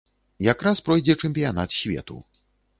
Якраз пройдзе чэмпіянат свету.